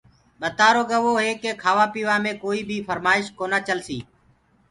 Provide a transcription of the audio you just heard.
ٻتآرو گوو هي ڪي کآوآ پيوآ مي ڪوئيٚ بيٚ ڦرمآش ڪونآ چلسيٚ